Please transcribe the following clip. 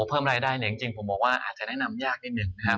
เพิ่มรายได้เนี่ยก็ได้เนี่ยจริงขอบคุณว่าอาจจะแนะนำยากนิดนึงนะครับ